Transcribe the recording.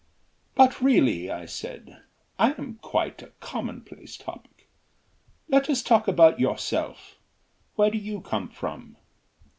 "But, really " I said, "I am quite a commonplace topic. Let us talk about yourself. Where do you come from?"